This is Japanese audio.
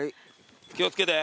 気を付けて。